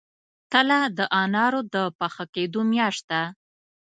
تله د انارو د پاخه کیدو میاشت ده.